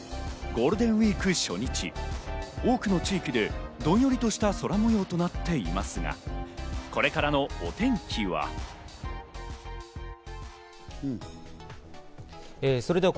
ゴールデンウイーク初日、多くの地域でどんよりとした空模様となっていますが、これからのお天気は。